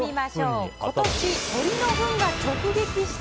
今年、鳥のフンが直撃した？